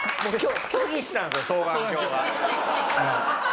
拒否したんだ双眼鏡が。